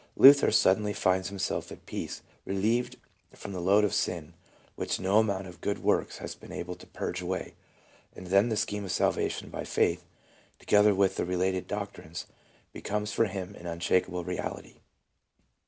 Luther suddenly finds himself at peace, relieved from the load of sin, which no amount of good works had been able to purge away, and then the scheme of salvation by faith, to gether with the related doctrines, becomes for him an unshak able reality.